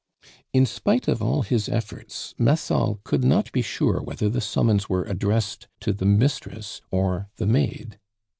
In spite of all his efforts, Massol could not be sure whether the summons were addressed to the mistress or the maid.